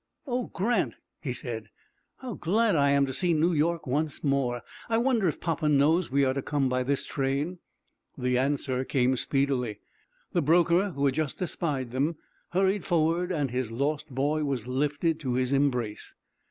"Oh, Grant," he said, "how glad I am to see New York once more! I wonder if papa knows we are to come by this train?" The answer came speedily. The broker, who had just espied them, hurried forward, and his lost boy was lifted to his embrace.